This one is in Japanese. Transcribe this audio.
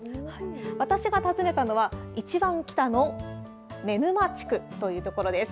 私が訪ねたのは、一番北の妻沼地区という所です。